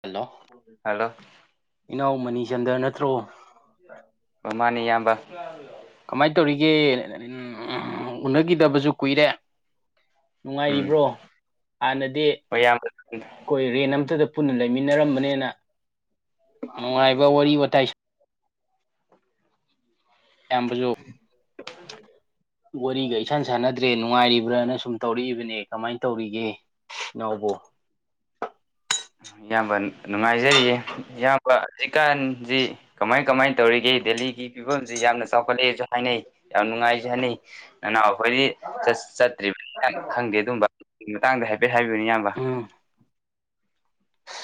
hello hello ꯏꯅꯥꯎ ꯃꯅꯤꯆꯟꯗ꯭ꯔ ꯅꯠꯇ꯭ꯔꯣ ꯃꯥꯅꯤ ꯌꯥꯝꯕ ꯀꯃꯥꯏꯅ ꯇꯧꯔꯤꯒꯦ ꯎꯅꯈꯤꯗꯕꯁꯨ ꯀꯨꯏꯔꯦ ꯎꯝ ꯅꯨꯡꯉꯥꯏꯔꯤꯕ꯭ꯔꯣ ꯍꯥꯟꯅꯗꯤ ꯍꯣꯏ ꯏꯌꯥꯝꯕ ꯑꯩꯈꯣꯏ ꯔꯦꯟ ꯎꯝ ꯑꯃꯝꯇꯗ ꯄꯨꯟꯅ ꯂꯩꯃꯤꯟꯅꯔꯝꯕꯅꯦꯅ ꯑꯨ ꯑꯕ ꯋꯥꯔꯤ ꯋꯥꯔꯤ ꯋꯥꯥꯏꯁꯤ ꯌꯥꯝꯕꯁꯨꯣ ꯑꯗꯨ ꯋꯥꯔꯤꯒ ꯏꯁꯥꯟ ꯁꯥꯟꯅꯗ꯭ꯔꯦ ꯅꯨꯡꯉꯥꯏꯔꯤꯕ꯭ꯔꯅ ꯁꯨꯝ ꯇꯧꯔꯛꯏꯕꯅꯦ ꯀꯃꯥꯏꯅ ꯇꯧꯔꯤꯒꯦ ꯅꯕꯣ [unintelligible] ꯏꯌꯥꯝꯕ ꯅꯨꯡꯉꯥꯏꯖꯔꯤꯌꯦ ꯏꯌꯥꯝꯕ ꯍꯧꯖꯤꯛꯀꯥꯟꯁꯤ ꯀꯃꯥꯏ ꯀꯃꯥꯏꯅ ꯇꯧꯔꯤꯒꯦꯗꯤ ꯗꯦꯜꯂꯤꯒꯤ ꯐꯤꯕꯝꯁꯤ ꯌꯥꯝꯅ ꯆꯥꯎꯈꯠꯂꯛꯑꯦꯁꯨ ꯍꯥꯏꯅꯩ ꯌꯥꯝ ꯅꯨꯡꯉꯥꯏꯁꯨ ꯍꯥꯏꯅꯩ ꯅꯅꯥꯎ ꯑꯩꯈꯣꯏꯗꯤ ꯆꯠꯇ꯭ꯔꯤꯕ ꯈꯪꯗꯦ ꯑꯗꯨꯝꯕ ꯃꯇꯥꯡꯗ ꯍꯥꯏꯐꯦꯠ ꯍꯥꯏꯕꯤꯌꯨꯅꯦ ꯏꯌꯥꯝꯕ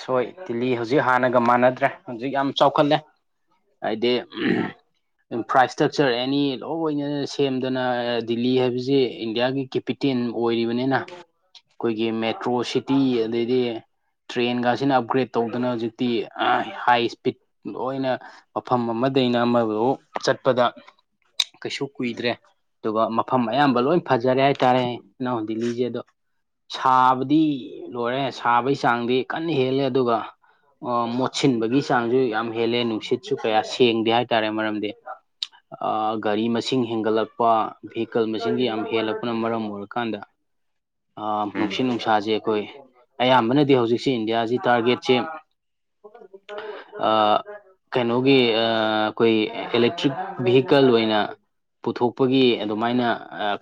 ꯁꯣꯏ ꯇꯤꯜꯂꯤ ꯍꯧꯖꯤꯛ ꯍꯥꯟꯅꯒ ꯃꯥꯟꯅꯗ꯭ꯔꯦ ꯍꯧꯖꯤꯛ ꯌꯥꯝ ꯆꯥꯎꯈꯠꯂꯦ ꯍꯥꯏꯗꯤ ꯏꯟꯐ꯭ꯔꯥ ꯏꯁꯇ꯭ꯔꯛꯆꯔ ꯑꯦꯅꯤ ꯂꯣꯏꯣꯏꯅꯅ ꯁꯦꯝꯗꯅ ꯗꯤꯜꯂꯤ ꯍꯥꯏꯕꯁꯤꯦ ꯏꯟꯗꯤꯌꯥꯒꯤ ꯀꯦꯄꯤꯇꯦꯟ ꯑꯣꯏꯔꯤꯕꯅꯤꯅ ꯑꯩꯈꯣꯏꯒꯤ ꯃꯦꯇ꯭ꯔꯣ ꯁꯤꯇꯤ ꯑꯗꯩꯗꯤ ꯇ꯭ꯔꯦꯟꯒꯁꯤꯅ ꯑꯞꯒ꯭ꯔꯦꯗ ꯇꯧꯗꯅ ꯍꯧꯖꯤꯛꯇꯤ ꯍꯥꯏ ꯏꯁꯄꯤꯠ ꯂꯣꯏꯅ ꯃꯐꯝ ꯑꯃꯗꯩꯅ ꯌꯥꯝꯃ ꯆꯠꯄꯗꯥ ꯀꯩꯁꯨ ꯎꯝ ꯀꯨꯏꯗ꯭ꯔꯦ ꯑꯗꯨꯒ ꯃꯐꯝ ꯑꯌꯥꯝꯕ ꯂꯣꯏ ꯐꯖꯔꯦ ꯍꯥꯏꯇꯥꯔꯦ ꯅꯅꯥꯎ ꯗꯤꯜꯂꯤꯁꯦ ꯑꯗꯣ ꯁꯥꯕꯗꯤ ꯂꯣꯏꯔꯦ ꯁꯥꯕꯒꯤ ꯆꯥꯡꯗꯤ ꯀꯟꯅ ꯍꯦꯜꯂꯦ ꯑꯗꯨꯒ ꯃꯣꯠꯁꯤꯟꯕꯒꯤ ꯆꯥꯡꯁꯨ ꯌꯥꯝ ꯍꯦꯜꯂꯦ ꯅꯨꯡꯁꯤꯠꯁꯨ ꯀꯌꯥ ꯁꯦꯡꯗꯦ ꯍꯥꯏꯇꯥꯔꯦ ꯃꯔꯝꯗꯤ ꯒꯥꯔꯤ ꯃꯁꯤꯡ ꯍꯦꯟꯒꯠꯂꯛꯄ ꯚꯤꯍꯤꯀꯜ ꯃꯁꯤꯡꯗꯨ ꯌꯥꯝ ꯍꯦꯜꯂꯛꯄꯅ ꯃꯔꯝ ꯑꯣꯏꯔꯀꯥꯟꯗ ꯑꯥ ꯎꯝ ꯅꯨꯡꯁꯤꯠ ꯅꯨꯡꯁꯥꯁꯦ ꯑꯩꯈꯣꯏ ꯑꯌꯥꯝꯕꯅꯗꯤ ꯍꯧꯖꯤꯛ ꯁꯤ ꯏꯟꯗꯤꯌꯥꯁꯤ ꯇꯥꯔꯒꯦꯠꯁꯦ ꯀꯩꯅꯣꯒꯤ ꯑꯩꯈꯣꯏ ꯏꯂꯦꯛꯇ꯭ꯔꯤꯛ ꯚꯤꯍꯤꯀꯜ ꯑꯣꯏꯅ ꯄꯨꯊꯣꯛꯄꯒꯤ ꯑꯗꯨꯃꯥꯏꯅ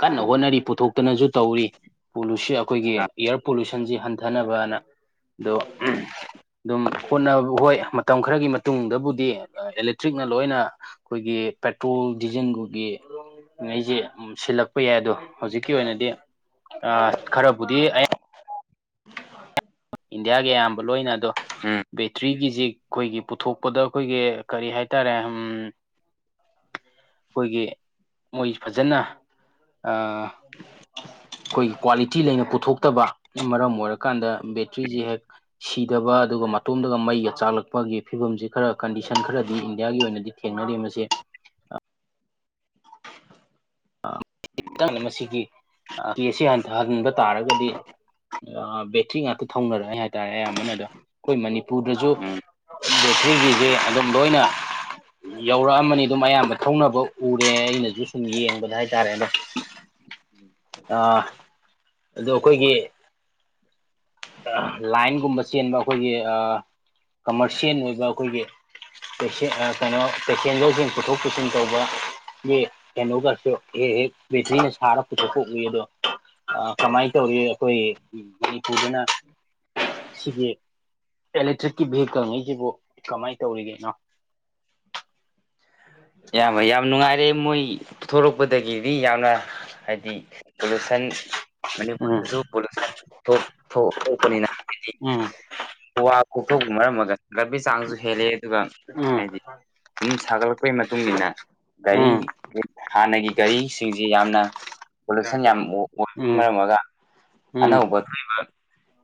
ꯀꯟꯅ ꯍꯣꯠꯅꯔꯤ ꯄꯨꯊꯣꯛꯇꯅꯁꯨ ꯇꯧꯔꯤ ꯄꯣꯂꯨꯁ ꯑꯩꯈꯣꯏꯒꯤ ꯏꯌꯥꯔ ꯄꯣꯂꯨꯁꯟꯁꯤ ꯍꯟꯊꯅꯕꯅ ꯑꯗꯣ ꯑꯗꯨꯝ ꯍꯣꯠꯅꯕ ꯍꯣꯏ ꯃꯇꯝ ꯈꯔꯒꯤ ꯃꯇꯨꯡꯗꯕꯨꯗꯤ ꯑꯦꯂꯦꯛꯇ꯭ꯔꯤꯛꯅ ꯂꯣꯏꯅ ꯑꯩꯈꯣꯏꯒꯤ ꯄꯦꯇ꯭ꯔꯣꯜ ꯗꯤꯖꯦꯜꯒꯒꯤ ꯑꯩꯁꯦ ꯁꯤꯜꯂꯛꯄ ꯌꯥꯏ ꯑꯗꯣ ꯍꯧꯖꯤꯛꯀꯤ ꯑꯣꯏꯅꯗꯤ ꯑ ꯈꯔꯕꯨꯗꯤ ꯑ ꯍ ꯏꯟꯗꯤꯌꯥꯒꯤ ꯑꯌꯥꯝꯕ ꯂꯣꯏꯅ ꯑꯗꯣ ꯕꯦꯇ꯭ꯔꯤꯒꯤꯁꯤ ꯑꯩꯈꯣꯏꯒꯤ ꯄꯨꯊꯣꯛꯄꯗ ꯑꯩꯈꯣꯏꯒꯤ ꯀꯔꯤ ꯍꯥꯏꯇꯥꯔꯦ ꯑꯩꯈꯣꯏꯒꯤ ꯃꯣꯏ ꯐꯖꯅ ꯑꯩꯈꯣꯏꯒꯤ ꯀ꯭ꯋꯥꯂꯤꯇꯤ ꯇꯇꯤ ꯂꯩꯅ ꯄꯨꯊꯣꯛꯇꯕꯅ ꯃꯔꯝ ꯑꯣꯏꯔꯀꯥꯟꯗ ꯕꯦꯇ꯭ꯔꯤꯁꯤ ꯍꯦꯛ ꯁꯤꯗꯕ ꯑꯗꯨꯒ ꯃꯇꯣꯝꯗꯒ ꯃꯩꯒ ꯆꯥꯛꯂꯛꯄꯒꯤ ꯐꯤꯕꯝꯁꯤ ꯈꯔ ꯀꯟꯗꯤꯁꯟ ꯈꯔꯗꯤ ꯏꯟꯗꯤꯌꯥꯒꯤ ꯑꯣꯏꯅꯗꯤ ꯊꯦꯡꯅꯩ ꯃ ꯃꯁ [unintelligible] ꯈꯤꯇꯪ ꯃꯁꯤꯒꯤ ꯐꯤ ꯑꯁꯤꯊ ꯍꯟꯕ ꯇꯥꯔꯒꯗꯤ ꯕꯦꯇ꯭ꯔꯤ ꯉꯥꯛꯇ ꯊꯧꯅꯔꯛꯑꯦ ꯍꯥꯏꯇꯥꯔꯦ ꯑꯌꯥꯝꯕꯅꯗ ꯑꯩꯈꯣꯏ ꯃꯅꯤꯄꯨꯔꯗꯁꯨ ꯎꯝ ꯕꯦꯇ꯭ꯔꯤꯒꯤꯁꯤꯦ ꯑꯗꯨꯝ ꯂꯣꯏꯅ ꯌꯧꯔꯛꯑꯝꯃꯅꯤ ꯑꯗꯨꯝ ꯑꯌꯥꯝꯕ ꯊꯧꯅꯕ ꯎꯔꯦ ꯑꯩꯅꯁꯨ ꯁꯨꯝ ꯌꯦꯡꯕꯗ ꯏ ꯇꯥꯔꯦꯅ [unintelligible] ꯑꯣ ꯑꯩꯈꯣꯏꯒꯤ ꯂꯥꯏꯟꯒꯨꯝꯕ ꯆꯦꯟꯕ ꯑꯩꯈꯣꯏꯒꯤ ꯀꯃꯔꯁꯤꯌꯦꯜ ꯑꯣꯏꯕ ꯑꯩꯈꯣꯏꯒꯤ ꯀꯩꯅꯣ ꯄꯦꯁꯦꯟꯖꯔꯁꯤꯡ ꯄꯨꯊꯣꯛ ꯄꯨꯁꯤꯟ ꯇꯧꯕꯒꯤ ꯀꯩꯅꯣꯒꯁꯨ ꯍꯦꯛ ꯍꯦꯛ ꯕꯦꯇ꯭ꯔꯤꯅ ꯁꯥꯔꯒ ꯄꯨꯊꯣꯛꯄ ꯎꯏ ꯑꯗꯣ ꯀꯃꯥꯏꯅ ꯇꯧꯔꯤ ꯑꯩꯈꯣꯏ ꯐꯗꯅ ꯁꯤꯒꯤ ꯑꯦꯂꯦꯛꯇ꯭ꯔꯤꯛꯀꯤ ꯚꯦꯍꯤꯀꯜꯉꯩꯁꯤꯕꯨ ꯀꯃꯥꯏꯅ ꯇꯧꯔꯤꯒꯦꯅꯣ [unintelligible] ꯌꯥꯝꯌꯥꯝꯕ ꯌꯥꯝ ꯅꯨꯡꯉꯥꯏꯔꯦ ꯃꯣꯏ ꯄꯨꯊꯣꯔꯛꯄꯗꯒꯤꯗꯤ ꯌꯥꯝꯅ ꯍꯥꯏꯗꯤ ꯔꯨꯁꯟ ꯎꯝ ꯂ ꯊꯣꯛꯄꯅꯤꯅ ꯍꯥꯏ ꯎꯝ ꯀꯣꯛꯊꯣꯛꯄ ꯃꯔꯝ ꯑꯣꯏꯒ ꯒꯥꯕꯤ ꯆꯥꯡꯁꯨ ꯍꯦꯜꯂꯦ ꯑꯗꯨꯒ ꯍꯥꯏꯗꯤ ꯑꯗꯨꯝ ꯁꯥꯒꯠꯂꯛ ꯃꯇꯨꯡ ꯏ ꯃꯇꯨꯡꯏꯟꯅ ꯒꯥꯔꯤ ꯎꯝ ꯍꯥꯟꯅꯒꯤ ꯒꯥꯔꯤꯁꯤꯡꯁꯤ ꯌꯥꯝꯅ ꯄꯣꯂꯨꯁꯟ ꯌꯥꯝ ꯑꯣꯏꯕ ꯎꯝ ꯃꯔꯝꯒ ꯎꯝ ꯑꯅꯧꯕ ꯊꯣꯛꯣꯏꯕ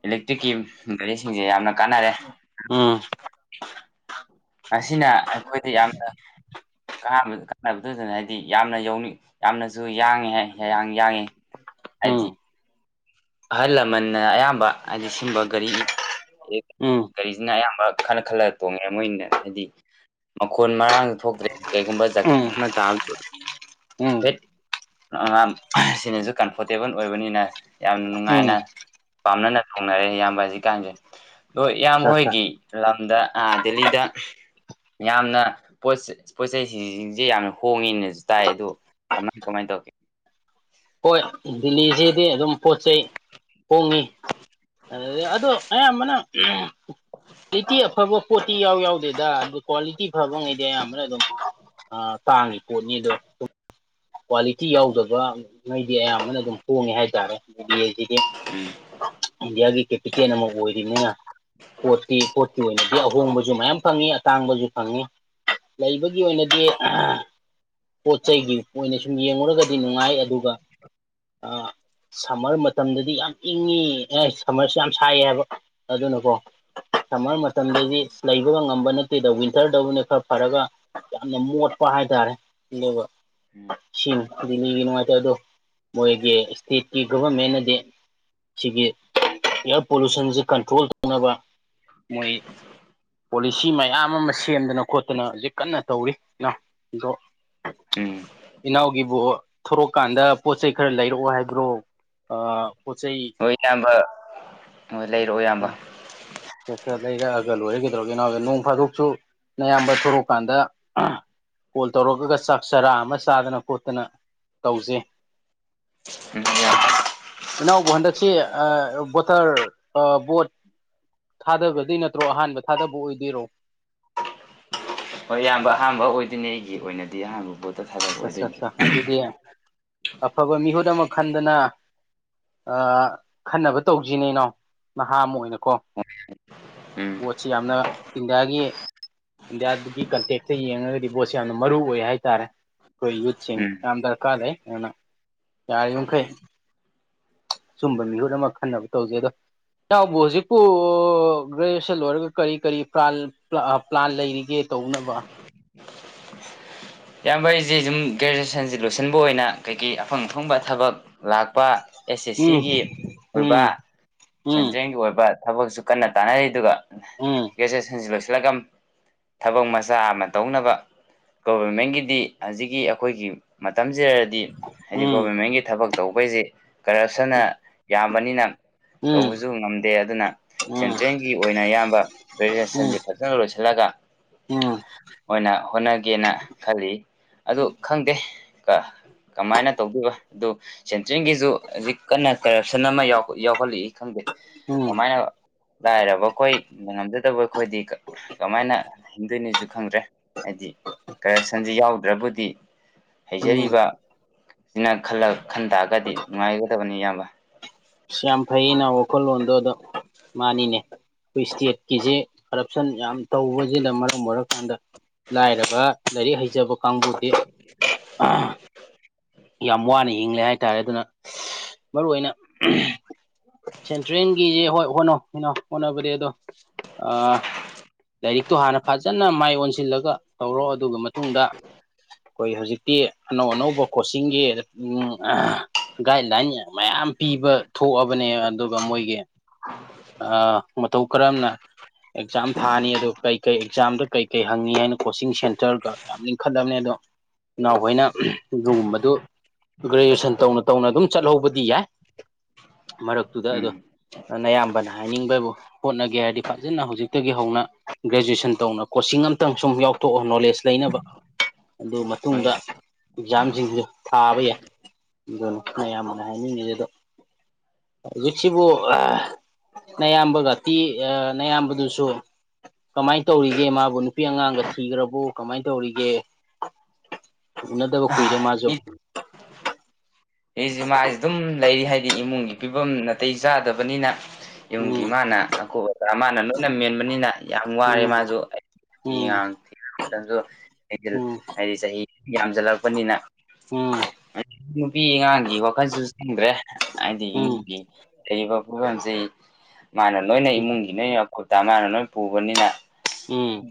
ꯏꯂꯦꯛꯇ꯭ꯔꯤꯛꯀꯤ ꯒꯥꯔꯤꯁꯤꯡꯁꯦ ꯌꯥꯝꯅ ꯀꯥꯟꯅꯔꯦ ꯎꯝ ꯎꯝ ꯑꯁꯤꯅ ꯑꯩꯈꯣꯏꯗ ꯌꯥꯝꯅ ꯥꯟꯕ ꯀꯥꯟꯅꯕꯗꯨꯗꯅ ꯍꯥꯏꯗꯤ ꯌꯥꯝꯅ ꯌꯧꯅꯤꯡ ꯌꯥꯝꯅꯁꯨ ꯌꯥꯡꯉꯦ ꯍꯥꯏ ꯍꯌꯥꯡ ꯌꯥꯡꯉꯤ ꯎꯝ ꯍꯥꯏꯖꯤ ꯑꯍꯜ ꯂꯃꯟꯅ ꯑꯌꯥꯝꯕ ꯍꯥꯏꯗꯤ ꯁꯤꯨꯝꯕ ꯒꯥꯔꯤ ꯑꯦ ꯎꯝ ꯒꯥꯔꯤꯁꯤꯅ ꯑꯌꯥꯝꯕ ꯈꯜꯂ ꯈꯜꯂ ꯇꯣꯡꯉꯦ ꯃꯣꯏꯅ ꯍꯥꯏꯗꯤ ꯃꯈꯣꯟ ꯃꯔꯥꯡ ꯊꯣꯛꯇ꯭ꯔꯦ ꯀꯩꯒꯨꯝꯕ ꯖ ꯑꯃ ꯇ ꯎꯝ ꯎꯝ ꯍꯠ ꯑꯉꯥꯡ ꯁꯤꯅꯁꯨ ꯀꯝꯐꯣꯔꯇꯦꯕꯜ ꯑꯣꯏꯕꯅꯤꯅ ꯌꯥꯝ ꯎꯝ ꯅꯨꯡꯉꯥꯏꯅ ꯄꯥꯝꯅꯅ ꯊꯣꯡꯅꯔꯦ ꯏꯌꯥꯝꯕ ꯍꯧꯖꯤꯛꯀꯥꯟꯁꯦ ꯍꯣꯏ ꯏꯌꯥꯝ ꯑꯆꯥ ꯑꯆꯥ ꯍꯣꯏꯒꯤ ꯂꯝꯗ ꯗꯦꯜꯂꯤꯗ ꯌꯥꯝꯅ ꯄꯣ ꯄꯣꯠ ꯆꯩꯁꯤꯡꯁꯤꯡꯁꯦ ꯌꯥꯝꯅ ꯍꯣꯡꯉꯦꯅꯁꯨ ꯇꯥꯏ ꯑꯗꯨꯣ ꯀꯃꯥꯏ ꯀꯃꯥꯏ ꯇꯧꯦ ꯍꯣꯏ ꯗꯦꯜꯂꯤꯁꯤꯗꯤ ꯑꯗꯨꯝ ꯄꯣꯠ ꯆꯩ ꯍꯣꯡꯉꯤ ꯑꯗꯣ ꯑꯌꯥꯝꯕꯅ ꯔꯔꯤꯇꯤ ꯑꯐꯕ ꯄꯣꯇꯤ ꯌꯥꯎ ꯌꯥꯎꯗꯦꯗ ꯑꯗꯨ ꯀ꯭ꯋꯥꯂꯤꯇꯤ ꯐꯕꯉꯩꯗꯤ ꯑꯌꯥꯝꯕꯅ ꯑꯗꯨꯝ ꯇꯥꯡꯉꯤ ꯄꯣꯠꯅꯤ ꯑꯗꯣ ꯀ꯭ꯋꯥꯂꯤꯇꯤ ꯌꯥꯎꯗꯕꯉꯩꯗꯤ ꯑꯌꯥꯝꯕꯅ ꯑꯗꯨꯝ ꯍꯣꯡꯉꯦ ꯍꯥꯏꯇꯥꯔꯦ ꯃꯕꯤꯁꯤꯗꯤ ꯎꯝ ꯒꯤ ꯀꯦ ꯄꯇꯦ ꯅꯃꯒ ꯑꯣꯏꯣꯏꯗꯅꯤꯅ ꯄꯣꯠꯇꯤ ꯄꯣꯠꯀꯤ ꯑꯣꯏꯅꯗꯤ ꯑꯍꯣꯡꯕꯁꯨ ꯃꯌꯥꯝ ꯐꯪꯉꯤ ꯇꯥꯡꯕꯁꯨ ꯐꯪꯉꯤ ꯂꯩꯕꯒꯤ ꯑꯣꯏꯅꯗꯤ ꯄꯣꯠ ꯆꯩꯒꯤ ꯑꯣꯏꯅ ꯁꯨꯝ ꯌꯦꯡꯂꯡꯨꯔꯒꯗꯤ ꯅꯨꯡꯉꯥꯏ ꯑꯗꯨꯒ ꯑ ꯁꯝꯃꯔ ꯃꯇꯝꯗꯗꯤ ꯌꯥꯝ ꯏꯪꯉꯤ ꯑꯦ ꯁꯝꯃꯔꯁꯨ ꯌꯥꯝ ꯁꯥꯏꯌꯦ ꯍꯥꯏꯕ ꯑꯗꯨꯅꯀꯣ ꯁꯝꯃꯔ ꯃꯇꯝꯗꯗꯤ ꯂꯩꯕꯒ ꯉꯝꯕ ꯅꯠꯇꯦꯗ ꯋꯤꯟꯇꯔꯗꯅ ꯈꯔ ꯐꯔꯒ ꯌꯥꯝꯅ ꯃꯣꯠꯄ ꯍꯥꯏꯇꯥꯔꯦ ꯑꯗꯨꯒ ꯎꯝ ꯁꯤꯡ ꯗꯤꯅꯤꯒꯤ ꯅꯨꯡꯉꯥꯏꯇꯦ ꯑꯗꯣ ꯃꯣꯏꯒꯤ ꯏꯁꯇꯦꯠꯀꯤ ꯒꯣꯚꯔꯃꯦꯟꯅꯗꯤ ꯁꯤꯒꯤ ꯏꯌꯥꯔ ꯄꯣꯂꯨꯁꯟꯁꯦ ꯀꯟꯇ꯭ꯔꯣꯜ ꯇꯧꯅꯕ ꯃꯣꯏ ꯁꯤ ꯃꯌꯥꯝ ꯑꯃ ꯁꯦꯝꯗꯅ ꯈꯣꯠꯇꯅ ꯍꯧꯖꯤꯛ ꯀꯟꯅ ꯇꯧꯔꯤ ꯑꯗꯣ ꯎꯝ ꯏꯅꯥꯎꯒꯤꯕꯨ ꯊꯣꯔꯛꯀꯥꯟꯗ ꯄꯣꯠ ꯆꯩꯩ ꯈꯔ ꯂꯩꯔꯛꯑꯣ ꯍꯥꯏꯕ꯭ꯔꯣ ꯑ ꯀ ꯆꯩ ꯑꯌꯥꯝꯕ ꯍ ꯂꯩꯔꯛꯑꯣ ꯏꯌꯥꯝꯕ ꯁ ꯈꯔ ꯂꯩꯔꯛꯑꯒ ꯂꯣꯏꯔꯒꯗꯧ ꯀꯩꯅꯣꯗ ꯅꯣꯡ ꯐꯥꯗꯣꯛꯁꯨ ꯑꯌꯥꯝꯕ ꯊꯣꯛꯣꯔꯛ ꯀꯥꯟꯗ ꯀꯣꯜ ꯇꯧꯔꯛꯑꯒ ꯆꯥꯛ ꯆꯥꯔꯥ ꯑꯃ ꯆꯥꯗꯅ ꯈꯣꯠꯇꯅ ꯇꯧꯖꯩ ꯎ ꯏꯅꯥꯎꯕ ꯍꯟꯗꯛꯁꯤ ꯕꯣꯇꯔ ꯕꯣꯠ ꯊꯥꯗꯕꯗꯤ ꯅꯠꯇ꯭ꯔꯣ ꯑꯍꯥꯟꯕ ꯊꯥꯗꯕ ꯑꯣꯏꯗꯣꯏꯔꯣ ꯍꯣꯏ ꯑꯌꯥꯝꯕ ꯑꯍꯥꯟꯕ ꯑꯣꯏꯗꯣꯏꯅꯤ ꯑꯩꯒꯤ ꯑꯣꯏꯅꯗꯤ ꯑꯍꯥꯟꯕ ꯄꯣꯠꯇ ꯊꯕꯛ ꯑꯠꯆꯥ ꯑꯠꯆꯥ ꯑꯣꯏꯗꯣꯏꯅꯤ ꯑꯠꯆꯥ ꯑꯗꯨꯗꯤ ꯑꯐꯕ ꯃꯤꯍꯨꯠ ꯑꯃ ꯈꯟꯗꯅ ꯈꯟꯅꯕ ꯇꯧꯁꯤꯅꯦ ꯏꯅꯥꯎ ꯅꯍꯥ ꯑꯃ ꯑꯣꯏꯅꯀꯣ ꯎꯝ ꯄꯣꯠꯁꯤ ꯌꯥꯝꯅ ꯏꯟꯗꯤꯌꯥꯒꯤ ꯏꯟꯗꯤꯌꯥꯒꯤ ꯀꯟꯇꯦꯛꯇ ꯌꯦꯡꯉꯒꯗꯤ ꯕꯣꯠꯁꯦ ꯌꯥꯝꯅ ꯃꯔꯨ ꯑꯣꯏ ꯍꯥꯏꯇꯥꯔꯦ ꯀꯣꯏ ꯌꯨꯖ ꯎꯝ ꯌꯥꯝꯝ ꯗꯔꯀ ꯍꯥꯏꯅ ꯌꯥꯔꯨ ꯀꯩ ꯁꯨꯝꯕ ꯃꯤꯍꯨꯠ ꯑꯃ ꯈꯟꯅꯕ ꯇꯧꯖꯩ ꯑꯗꯣ ꯏꯎꯕꯨ ꯍꯧꯖꯤꯛꯄꯨ ꯒ꯭ꯔꯦꯖꯨꯑꯦꯁꯟ ꯂꯣꯏꯔꯒ ꯀꯔꯤ ꯀꯔꯤ ꯄ꯭ꯂꯥꯟ ꯄ꯭ꯂꯥꯟ ꯂꯩꯔꯤꯒꯦ ꯇꯧꯅꯕ [unintelligible] ꯏꯌꯥꯝꯕꯩꯁꯤ ꯁꯨꯝ ꯒ꯭ꯔꯦꯖꯨꯋꯦꯁꯟꯁꯤ ꯂꯣꯏꯁꯤꯟꯕ ꯑꯣꯏꯅ ꯀꯩꯀꯩ ꯑꯐꯪ ꯑꯐꯪꯕ ꯊꯕꯛ ꯂꯥꯛꯄ ꯑꯦꯁ ꯑꯦꯁ ꯎꯝ ꯁꯤꯒꯤ ꯑꯣꯏꯕ ꯎꯝ ꯎꯝ ꯁꯦꯟꯇ꯭ꯔꯦꯜꯒꯤ ꯑꯣꯏꯕ ꯊꯕꯛꯁꯨ ꯀꯟꯅ ꯇꯥꯟꯅꯔꯤ ꯑꯗꯨꯒ ꯎꯝ ꯒ꯭ꯔꯦꯖꯨꯑꯦꯁꯟꯁꯤ ꯂꯣꯏꯁꯤꯜꯂꯒ ꯊꯕꯛ ꯃꯆꯥ ꯑꯃ ꯇꯧꯅꯕꯒ ꯒꯣꯕꯃꯦꯟꯒꯤꯗꯤ ꯍꯧꯖꯤꯛꯀꯤ ꯑꯩꯈꯣꯏꯒꯤ ꯃꯇꯝꯁꯤꯗꯗꯤ ꯍꯥꯏꯗꯤ ꯎꯝ ꯒꯣꯕꯔꯃꯦꯟꯒꯤ ꯊꯕꯛ ꯇꯧꯕꯩꯁꯤꯦ ꯀꯔꯞꯁꯟꯅ ꯌꯥꯝꯕꯅꯤꯅ ꯎꯝ ꯇꯧꯕꯁꯨ ꯉꯝꯗꯦ ꯑꯗꯨꯅ ꯎꯝ ꯁꯦꯟꯇ꯭ꯔꯦꯜꯒꯤ ꯑꯣꯏꯅ ꯑꯌꯥꯝꯕ ꯒ꯭ꯔꯦꯖꯨꯁꯟꯁ ꯐꯖꯅ ꯂꯣꯏꯁꯤꯟ ꯆꯠꯂꯒ ꯎꯝ ꯎꯝ ꯑꯣꯏꯅ ꯍꯣꯠꯅꯒꯦꯅ ꯈꯜꯂꯤ ꯑꯗꯨ ꯈꯪꯗꯦ ꯀꯥ ꯀꯃꯥꯏꯅ ꯇꯧꯗꯕ ꯑꯗꯨ ꯁꯦꯟꯇ꯭ꯔꯦꯜꯒꯤꯁꯨ ꯍꯧꯖꯤꯛ ꯀꯟꯅ ꯀꯔꯞꯁꯟ ꯑꯃ ꯌꯥꯎꯍꯜꯂꯛꯏ ꯈꯪꯗꯦ ꯎꯝ ꯑꯣꯃꯥꯏꯅ ꯂꯥꯏꯔꯕ ꯑꯩꯈꯣꯏꯉꯝꯖꯗꯕ ꯑꯩꯈꯣꯏꯗꯤ ꯀꯃꯥꯏꯅ ꯍꯤꯡꯗꯣꯏꯅꯤꯣꯁꯨ ꯈꯪꯗ꯭ꯔꯦ ꯍꯥꯏꯗꯤ ꯀꯔꯞꯁꯟꯁꯤ ꯌꯥꯎꯗ꯭ꯔꯕꯨꯗꯤ ꯎꯝ ꯍꯩꯖꯔꯤꯕ ꯁꯤꯅ ꯈꯜꯂ ꯈꯟ ꯇꯥꯔꯒꯗꯤ ꯅꯨꯡꯉꯥꯏꯒꯗꯕꯅꯤ ꯏꯌꯥꯝꯕ ꯌꯥꯝ ꯐꯩꯩꯅ ꯋꯥꯈꯣꯜꯣꯗꯣ ꯑꯗꯣ ꯃꯥꯅꯤꯅꯦ ꯑꯩꯈꯣꯏ ꯏꯁꯇꯦꯠꯀꯤꯁꯦ ꯀꯔꯞꯁꯟ ꯌꯥꯝ ꯇꯧꯕꯁꯤꯅ ꯃꯔꯝ ꯑꯣꯏꯔꯀꯥꯟꯗ ꯂꯥꯏꯔꯕ ꯂꯥꯏꯔꯤꯛ ꯍꯩꯖꯕ ꯀꯥꯡꯕꯨꯁ [unintelligible] ꯌꯥꯝ ꯋꯥꯅ ꯍꯦ ꯍꯥꯏꯇꯥꯔꯦ ꯑꯗꯨꯅ ꯃꯔꯨ ꯑꯣꯏꯅ ꯁꯦꯟꯇ꯭ꯔꯦꯜꯒꯤꯁꯦ ꯍꯣꯏ ꯍꯣꯠꯅꯣ ꯀꯩꯅꯣ ꯍꯣꯠꯅꯕꯗꯤ ꯑꯗꯣ ꯂꯥꯏꯔꯤꯛꯇꯣ ꯍꯥꯟꯅ ꯐꯖꯅ ꯃꯥꯏ ꯑꯣꯟꯁꯤꯜꯂꯒ ꯇꯧꯔꯣ ꯑꯗꯨꯒ ꯃꯇꯨꯡꯗ ꯑꯩꯈꯣꯏ ꯍꯧꯖꯤꯛꯇꯤ ꯑꯅꯧ ꯑꯅꯧꯕ ꯀꯣꯆꯤꯡꯒꯤ ꯒꯥꯏꯗꯂꯥꯏꯟ ꯃꯌꯥꯝ ꯄꯤꯕ ꯊꯣꯛꯑꯕꯅꯦ ꯑꯗꯨꯒ ꯃꯣꯏꯒꯤ ꯃꯇꯧ ꯀꯔꯝꯅ ꯑꯦꯛꯖꯥꯝ ꯊꯥꯅꯤ ꯑꯗꯣ ꯀꯩ ꯀꯩ ꯑꯦꯛꯖꯥꯝꯗ ꯀꯩꯀꯩ ꯍꯪꯉꯤ ꯍꯥꯏꯅ ꯀꯣꯆꯤꯡ ꯁꯦꯟꯇꯔꯒ ꯌꯥꯝ ꯂꯤꯡꯈꯠꯂꯝꯕꯅꯦ ꯑꯗꯣ ꯏꯅꯥꯎꯈꯣꯏꯅ ꯑꯗꯨꯒꯨꯝꯕꯗꯨ ꯒ꯭ꯔꯦꯖꯨꯑꯦꯁꯟ ꯇꯧꯅ ꯇꯧꯅ ꯑꯗꯨꯝ ꯆꯠꯍꯧꯕꯗꯤ ꯌꯥꯏ ꯃꯔꯛꯇꯨꯗ ꯑꯗꯣ ꯎꯝ ꯑꯌꯥꯝꯕꯅ ꯍꯥꯏꯅꯤꯡꯕꯕꯨ ꯍꯣꯠꯅꯒꯦ ꯍꯥꯏꯔꯗꯤ ꯐꯖꯅ ꯍꯧꯖꯤꯛꯇꯒꯤ ꯍꯧꯅ ꯒ꯭ꯔꯦꯖꯨꯑꯦꯁꯟ ꯇꯧꯅ ꯁꯤꯡ ꯑꯃꯝꯇꯪ ꯁꯨꯝ ꯌꯥꯎꯊꯣꯛꯑꯣ ꯅꯣꯂꯦꯖ ꯂꯩꯅꯕ [inaudible] ꯑꯗꯨ ꯍꯣꯏ ꯃꯇꯨꯡꯗ ꯌꯥꯝ ꯑꯦꯛꯖꯥꯝꯁꯤꯡꯁꯨ ꯊꯥꯕ ꯌꯥꯏ ꯑꯗꯨꯅꯤ ꯅꯌꯥꯝꯕꯅꯥ ꯍꯥꯏꯅꯤꯡꯉꯤꯁꯦ ꯍꯧꯖꯤꯛꯁꯤꯕꯨ ꯑ ꯅꯌꯥꯝꯕꯒꯥ ꯇꯤ ꯅꯌꯥꯝꯕꯗꯨꯁꯨ ꯀꯃꯥꯏꯅ ꯇꯧꯔꯤꯒꯦ ꯃꯥꯕꯨ ꯅꯨꯄꯤ ꯑꯉꯥꯡꯒ ꯊꯤꯈ꯭ꯔꯕꯣ ꯀꯃꯥꯏꯅ ꯇꯧꯔꯤꯒꯦ ꯎꯅꯗꯕ ꯀꯨꯏꯔꯦ ꯃꯥꯁꯨ ꯑꯩꯁꯨ ꯃꯥꯁꯨ ꯑꯗꯨꯝ ꯂꯩꯔꯤ ꯍꯥꯏꯗꯤ ꯏꯃꯨꯡꯒꯤ ꯐꯤꯕꯝ ꯅꯥꯇꯩ ꯆꯥꯗꯕꯅꯤꯅ ꯌꯨꯝꯒꯤ ꯎꯝ ꯃꯥꯅ ꯑꯀꯨꯞ ꯑꯇꯥ ꯃꯥꯅ ꯂꯣꯏꯅ ꯃꯦꯟꯕꯅꯤꯅ ꯌꯥꯝ ꯋꯥꯔꯦ ꯎꯝ ꯃꯥꯁꯨ ꯎꯝ ꯎꯝ [unintelligible] ꯊꯣꯛꯄꯅꯤꯅ ꯎꯝ ꯅꯨꯄꯤ ꯑꯉꯥꯡꯒꯤ ꯋꯥꯈꯜꯁꯨ ꯆꯪꯗ꯭ꯔꯦ ꯍꯥꯏꯗꯤ ꯏꯃꯨꯡꯒꯤ ꯂꯩꯔꯤꯕ ꯐꯤꯕꯝꯁꯤ ꯃꯥꯅ ꯂꯣꯏꯅ ꯎꯝ ꯏꯃꯨꯡꯒꯤ ꯅ [unintelligible] ꯃꯥꯥꯟꯅ ꯂꯣꯏ ꯄꯨꯕꯅꯤꯅ ꯎꯝ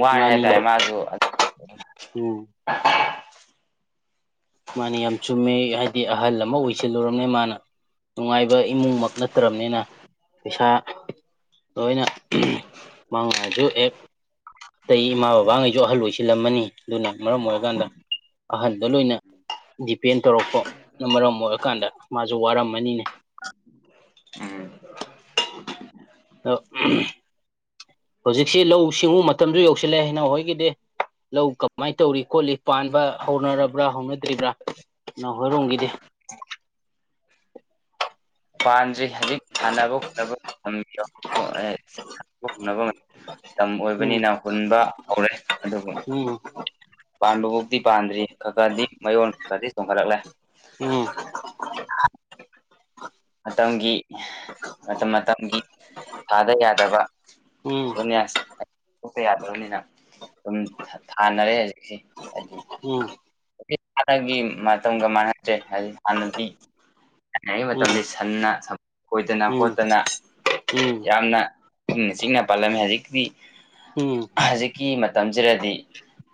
ꯋꯥꯔꯦ ꯃꯥꯅꯤꯅꯦ ꯍꯥꯏꯇꯥꯔꯦ ꯃꯥꯁꯨ ꯎꯝ ꯃꯥꯅꯦ ꯌꯥꯝ ꯆꯨꯝꯃꯦ ꯍꯥꯏꯗꯤ ꯑꯍꯜ ꯑꯃ ꯑꯣꯏꯁꯤꯜꯂꯨꯔꯕꯅꯤꯅꯥ ꯃꯥꯅ ꯅꯨꯡꯉꯥꯏꯕ ꯏꯃꯨꯡꯃꯛ ꯅꯠꯇ꯭ꯔꯕꯅꯤꯅ ꯄꯩꯁꯥ ꯂꯣꯏꯅ ꯃꯉꯥꯁꯨ ꯍꯦꯛ ꯑꯇꯩ ꯏꯃꯥ ꯕꯕꯥꯉꯩꯁꯨ ꯑꯍꯜ ꯑꯣꯏꯁꯤꯜꯂꯝꯃꯅꯤ ꯑꯗꯨꯅ ꯃꯔꯝ ꯑꯣꯏꯔꯀꯥꯟꯗ ꯑꯍꯟꯗ ꯂꯣꯏꯅ ꯗꯤꯄꯦꯟ ꯇꯧꯔꯛꯄꯅ ꯃꯔꯝ ꯑꯣꯏꯔꯀꯥꯟꯗ ꯃꯥ ꯖꯨ ꯋꯥꯔꯝꯃꯅꯤꯅꯦ ꯎꯝ ꯑ ꯍꯧꯖꯤꯛꯁꯤ ꯂꯧꯎ ꯁꯤꯡꯎ ꯃꯇꯝꯁꯨ ꯌꯧꯁꯤꯜꯂꯑꯦ ꯏꯩꯅꯎ ꯍꯣꯏꯒꯤꯗꯤ ꯂꯧ ꯀꯃꯥꯏꯅ ꯇꯧꯔꯤ ꯈꯣꯠꯂꯤ ꯄꯥꯟꯕ ꯍꯧꯅꯔꯕ꯭ꯔꯥ ꯍꯧꯅꯗ꯭ꯔꯤꯕ꯭ꯔꯥ ꯟꯏꯅꯥꯎ ꯍꯣꯏꯔꯣꯡꯝꯒꯤꯗꯤ [unintelligible] [inaudible] ꯄꯥꯟꯗ꯭ꯔꯤ ꯍꯧꯖꯤꯛ ꯊꯥꯅꯕ [unintelligible] ꯃꯇꯝ ꯎꯝ ꯑꯣꯏꯕꯅꯤꯅ ꯍꯨꯟꯕ ꯍꯧꯔꯦ ꯑꯗꯨꯕꯨ ꯎꯝ ꯄꯥꯟꯕꯕꯨꯛꯕꯇꯤ ꯄꯥꯟꯗ꯭ꯔꯤ ꯈꯔ ꯈꯔꯗꯤ ꯃꯌꯣꯟ ꯈꯔꯗꯤ ꯆꯣꯡꯈꯠꯂꯛꯂꯦ ꯎꯝ ꯃꯇꯝꯒꯤ ꯃꯇꯝ ꯃꯇꯝꯒꯤ ꯊꯥꯗ ꯌꯥꯗꯕ ꯎꯝ [unintelligible] ꯊꯣꯛꯄ ꯌꯥꯗ꯭ꯔꯕꯅꯤꯅ ꯑꯗꯨꯝ ꯊꯥꯅꯔꯦ ꯍꯧꯖꯤꯛꯁꯤ ꯎꯝ ꯍꯥꯟꯅꯒꯤ ꯃꯇꯝꯒ ꯃꯥꯟꯅꯗ꯭ꯔꯦ ꯍꯥꯏꯗꯤ ꯍꯥꯟꯅꯗꯤ [unintelligible] ꯃꯇꯝꯗꯤ ꯁꯟꯅ ꯁꯝꯄꯣꯠ ꯈꯣꯏꯗꯅ ꯎꯝ ꯎꯝ ꯈꯣꯠꯇꯅ ꯌꯥꯝꯅ ꯏꯪꯅ ꯆꯤꯛꯅ ꯄꯥꯜꯂꯝꯃꯤ ꯍꯧꯖꯤꯛꯇꯤ ꯎꯝ ꯍꯧꯖꯤꯛꯀꯤ ꯃꯇꯝꯁꯤꯗꯗꯤ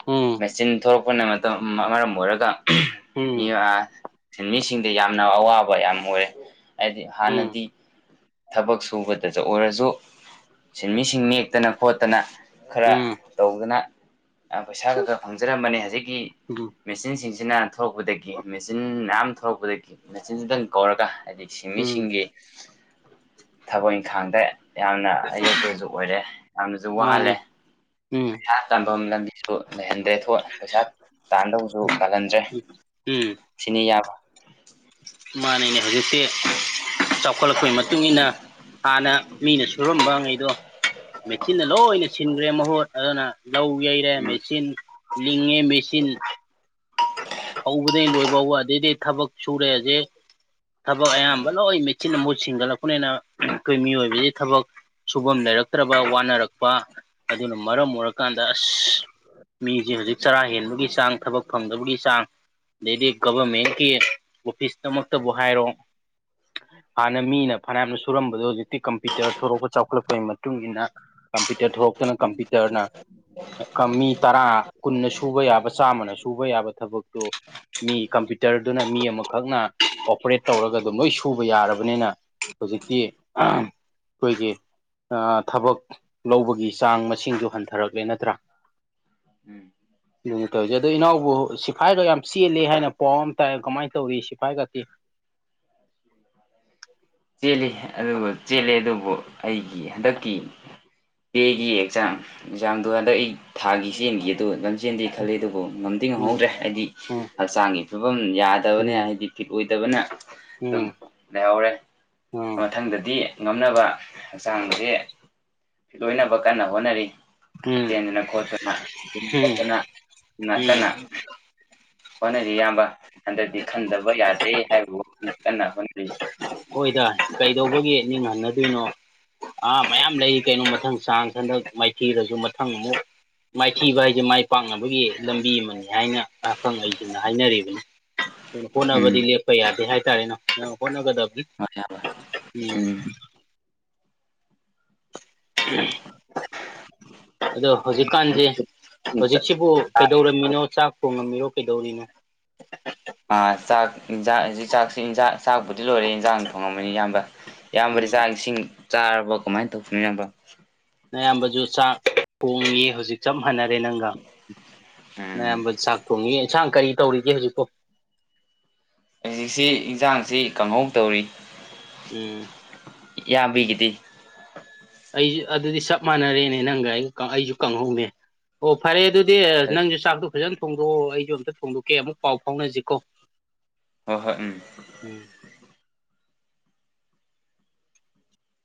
ꯎꯝ ꯎꯝ ꯎꯝ ꯃꯦꯆꯤꯟ ꯊꯂꯛꯄꯅ ꯃꯔꯝ ꯑꯣꯏꯔꯒ ꯁꯤꯡꯃꯤꯁꯤꯡꯗ ꯌꯥꯝꯅ ꯑꯋꯥꯕ ꯌꯥꯝ ꯑꯣꯏꯔꯦ ꯍꯥꯏꯗꯤ ꯍꯥꯟꯅꯗꯤ ꯊꯕꯛ ꯁꯨꯕꯗꯁꯨ ꯑꯣꯏꯔꯁꯨ ꯁꯤꯟꯃꯤꯁꯤꯡ ꯅꯦꯛꯇꯅ ꯈꯣꯠꯇꯅ ꯎꯝ ꯈꯔ ꯎꯝ ꯇꯧꯗꯅ ꯄꯩꯁꯥ ꯈ ꯈ ꯐꯪꯖꯔꯝꯕꯅꯦ ꯍꯧꯖꯤꯛꯀꯤ ꯎꯝ ꯃꯦꯆꯤꯟꯁꯤꯡꯁꯤꯅ ꯊꯣꯛꯂꯛꯄꯗꯒꯤ ꯃꯦꯆꯤꯟ ꯃꯌꯥꯝ ꯊꯣꯛꯂꯛꯄꯗꯒꯤ ꯃꯦꯆꯤꯟꯁꯤꯗꯪ ꯀꯧꯔꯒ ꯍꯥꯏꯗꯤ ꯎꯝ ꯁꯤꯡꯃꯤꯁꯤꯡꯒꯤ ꯊꯕꯛ ꯏꯪꯈꯥꯡꯗ ꯌꯥꯝꯅ ꯑꯌꯦꯠꯄꯁꯨ ꯑꯣꯏꯔꯦ ꯌꯥꯝꯅꯁꯨ ꯃꯥꯅꯤ ꯋꯥꯍꯜꯂꯦ ꯎꯝ ꯄꯩꯁꯥ ꯇꯥꯟꯐꯝ ꯂꯝꯕꯤꯁꯨ ꯂꯩꯍꯟꯗ꯭ꯔꯦ ꯄꯩꯁꯥ ꯇꯥꯅꯗꯧꯁꯨ ꯇꯥꯜꯍꯟꯗ꯭ꯔꯦ ꯎꯝ [unintelligible] ꯃꯥꯅꯅꯦ ꯍꯧꯖꯤꯛꯁꯦ ꯆꯥꯎꯈꯠꯂꯛꯄꯒꯤ ꯃꯇꯨꯡ ꯏꯟꯅ ꯃꯇꯨꯡꯏꯟꯅ ꯍꯥꯟꯅ ꯃꯤꯅ ꯁꯨꯔꯝꯕ ꯉꯩꯗꯣ ꯃꯦꯆꯤꯟꯅ ꯂꯣꯏꯅ ꯁꯤꯟꯈ꯭ꯔꯦ ꯃꯍꯣꯔꯠ ꯑꯗꯨꯅ ꯂꯧ ꯌꯩꯔꯦ ꯎꯝ ꯃꯦꯆꯤꯟ ꯂꯤꯡꯉꯦ ꯃꯦꯆꯤꯟ ꯍꯧꯕꯗꯒꯤꯩ ꯂꯣꯏꯕ ꯋꯥꯗꯩꯗꯤ ꯊꯕꯛ ꯁꯨꯔꯦꯁꯦ ꯊꯕꯛ ꯑꯌꯥꯝꯕ ꯂꯣꯏ ꯃꯦꯆꯤꯤꯟ ꯃꯨꯠ ꯁꯤꯁꯤꯡꯒꯠꯂꯛꯄꯅꯤꯅ ꯑꯩꯈꯣꯏ ꯃꯤꯑꯣꯏꯕꯕꯁꯤ ꯊꯕꯛ ꯁꯨꯐꯝ ꯂꯩꯔꯛ ꯐꯠꯇ꯭ꯔꯕ ꯋꯥꯅꯔꯛꯄ ꯑꯗꯨꯅ ꯃꯔꯝ ꯑꯣꯏꯔꯀꯥꯟꯗ ꯑꯁ ꯃꯤꯁꯦ ꯍꯧꯖꯤꯛ ꯆꯔꯥ ꯍꯦꯟꯕꯒꯤ ꯆꯥꯡ ꯊꯕꯛ ꯐꯪꯗꯕꯒꯤ ꯆꯥꯡ ꯑꯗꯩꯗꯤ ꯒꯚꯔꯃꯦꯟꯀꯤ ꯑꯣꯐꯤꯁꯇꯃꯛꯇꯕꯨ ꯍꯥꯏꯔꯣ ꯍꯥꯟꯅ ꯃꯤꯅ ꯐꯅꯌꯥꯝꯅ ꯁꯨꯔꯝꯕꯗꯣ ꯍꯧꯖꯤꯛꯇꯤ ꯀꯝꯄ꯭ꯌꯨꯇꯔ ꯊꯂꯛꯄ ꯆꯥꯎꯈꯠꯂꯛꯄꯩ ꯃꯇꯨꯡ ꯏꯟꯅ ꯀꯝꯄ꯭ꯌꯨꯇꯔ ꯊꯣꯛꯂꯇꯅ ꯀꯝꯄ꯭ꯌꯨꯇꯔꯅ ꯃꯤ ꯇꯔꯥ ꯀꯨꯟꯅ ꯁꯨꯕ ꯌꯥꯕ ꯆꯥꯝꯃꯅ ꯁꯨꯕ ꯌꯥꯕ ꯊꯕꯛꯇꯣ ꯃꯤ ꯀꯝꯄ꯭ꯌꯨꯇꯔꯗꯨꯅ ꯃꯤ ꯑꯃꯈꯛꯅ ꯑꯣꯄꯔꯦꯠ ꯇꯧꯔꯒ ꯑꯗꯨꯝ ꯂꯣꯏ ꯁꯨꯕ ꯌꯥꯔꯕꯅꯤꯅ ꯍꯧꯖꯤꯛꯇꯤ ꯑꯩꯈꯣꯏꯒꯤ ꯊꯕꯛ ꯂꯧꯕꯒꯤ ꯆꯥꯡ ꯃꯁꯤꯡꯗꯨ ꯍꯟꯊꯔꯛꯂꯦ ꯅꯠꯇ꯭ꯔꯥ ꯎꯝ ꯑꯗꯨ ꯀꯩꯖ ꯏꯅꯥꯎꯕꯨ ꯁꯤꯐꯥꯏꯒ ꯌꯥꯝ ꯆꯦꯜꯂꯦ ꯍꯥꯏꯅ ꯄꯥꯎ ꯑꯃ ꯇꯥꯏ ꯀꯃꯥꯏꯅ ꯇꯧꯔꯤ ꯁꯤꯐꯥꯏꯒꯗꯤꯤ ꯆꯦꯜꯂꯤ ꯑꯗꯨꯒ ꯆꯦꯜꯂꯤ ꯑꯗꯨ ꯑꯩꯒꯤ ꯍꯟꯗꯛꯀꯤ ꯄꯦꯒꯤ ꯑꯦꯛꯖꯥꯝ ꯑꯦꯛꯖꯥꯝꯗꯣ ꯍꯟꯗꯛ ꯑꯩ ꯊꯥꯒꯤ ꯆꯦꯟꯒꯤ ꯑꯗꯨꯖ ꯍ ꯆꯦꯟꯗꯤꯦ ꯈꯜꯂꯤ ꯑꯗꯨꯕꯨ ꯉꯝꯗꯤ ꯎꯝ ꯉꯝꯍꯧꯗ꯭ꯔꯦ ꯍꯥꯏꯗꯤ ꯎꯝ ꯍꯛꯆꯥꯡꯒꯤ ꯐꯤꯕꯝ ꯌꯥꯗꯕꯅꯦ ꯎꯝ ꯍꯥꯏꯗꯤ ꯐꯤꯠ ꯑꯣꯏꯗꯕ ꯑꯗꯨꯅ ꯑꯗꯨꯝ ꯎꯝ ꯂꯩꯍꯧꯔꯦ ꯎꯝ ꯃꯊꯪꯗꯗꯤ ꯉꯝꯅꯕ ꯍꯛꯆꯥꯡꯁꯦ ꯂꯣꯏꯅꯕ ꯀꯟꯅ ꯍꯣꯠꯅꯔꯤ ꯎꯝ ꯆꯦꯟꯗꯅ ꯈꯣꯠꯇꯅ ꯑꯗꯨ ꯎꯝ ꯈꯣꯠꯇꯅ ꯎꯝ ꯀꯟꯅ ꯍꯣꯠꯅꯔꯤ ꯏꯌꯥꯝꯕ ꯍꯟꯗꯛꯇꯗꯤ ꯈꯟꯗꯕ ꯌꯥꯗꯦ ꯍꯥꯏꯕꯕꯨ ꯀꯟꯅ ꯍꯣꯠꯅꯔꯤ ꯍꯣꯏꯗ ꯀꯩꯗꯧꯕꯒꯤ ꯅꯤꯡꯍꯟꯅꯗꯣꯏꯅꯣ ꯑꯥ ꯃꯌꯥꯝ ꯂꯩ ꯀꯩꯅꯣ ꯃꯊꯪ ꯆꯥꯡ ꯍꯟꯗꯛ ꯃꯥꯏꯊꯤꯗꯁꯨ ꯃꯊꯪ ꯑꯃꯨꯛ ꯃꯥꯏꯊꯤꯕ ꯍꯥꯏꯁꯦ ꯃꯥꯏ ꯄꯥꯛꯅꯕꯒꯤ ꯂꯝꯕꯤ ꯑꯃꯅꯤ ꯍꯥꯏꯅ ꯑꯈꯪꯍꯩꯁꯤꯡꯅ ꯍꯥꯏꯅꯔꯤꯕꯅꯤ ꯑꯗꯨ ꯎꯝ ꯍꯣꯠꯅꯕꯗꯤ ꯂꯦꯞꯄ ꯌꯥꯗꯦ ꯍꯥꯏꯇꯥꯔꯦꯅ ꯅꯪ ꯍꯣꯠꯅꯒꯗꯕ ꯍꯔꯕ ꯎꯝ ꯎꯝ ꯑꯗꯣ ꯍꯧꯖꯤꯛꯀꯥꯟꯁꯦ ꯍꯧꯖꯤꯛꯁꯤꯕꯨ ꯀꯩꯗꯧꯔꯝꯃꯤꯅꯣ ꯆꯥꯛ ꯊꯣꯡꯉꯝꯃꯤꯔꯣ ꯩꯗꯧꯔꯤꯅꯦ ꯆꯥꯛ ꯌꯦꯟꯖꯥꯡ ꯍꯧ ꯆꯥꯛꯁꯤ ꯏꯟꯖꯥꯡ ꯆꯥꯛꯕꯨꯨꯗꯤ ꯂꯣꯏꯔꯦ ꯏꯟꯖꯥꯡ ꯊꯣꯡꯉꯝꯃꯅꯤ ꯏꯌꯥꯝꯕ ꯏꯌꯥꯝꯕꯗꯤ ꯆꯥꯛ ꯎꯝ ꯏꯁꯤꯡ ꯆꯥꯔꯕ ꯀꯃꯥꯏꯅ ꯇꯧꯕꯅꯤ ꯅꯕ ꯑꯌꯥꯝꯕꯁꯨ ꯆꯥꯛ ꯍꯣꯡꯉꯤ ꯍꯧꯖꯤꯛ ꯆꯞ ꯐꯅꯔꯦ ꯅꯪꯒ ꯎꯝ ꯑꯌꯥꯝꯕ ꯆꯥꯛ ꯊꯣꯡꯉꯤ ꯌꯦꯟꯁꯥꯡ ꯀꯔꯤ ꯇꯧꯔꯤꯒꯦ ꯍꯧꯖꯤꯛꯄꯣ ꯍꯧꯖꯤꯛꯁꯤ ꯏꯟꯁꯥꯡꯁꯤ ꯀꯥꯡꯪꯍꯧ ꯇꯧꯔꯤ ꯎꯝ ꯌꯥꯝꯕꯤꯒꯤꯗꯤ ꯑꯩꯁꯨ ꯑꯗꯨꯗꯤ ꯆꯞ ꯃꯥꯟꯅꯔꯦꯅꯦ ꯅꯪꯒ ꯑꯩ ꯑꯩꯁꯨ ꯀꯪꯍꯧꯅꯦ ꯑꯣ ꯐꯔꯦ ꯑꯗꯨ ꯅꯪꯁꯨ ꯆꯥꯛꯇꯣ ꯐꯖꯅ ꯊꯣꯡꯗꯣꯛꯑꯣ ꯑꯩꯁꯨ ꯑꯝꯇ ꯊꯣꯡꯗꯣꯛꯀꯦ ꯑꯃꯨꯛ ꯄꯥꯎ ꯐꯥꯎꯅꯁꯤꯀꯣ ꯍꯣꯏ ꯍꯣꯏ ꯎꯝ ꯎꯝ